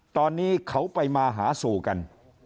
ตอนนี้เขาไปมาหาสู่กัน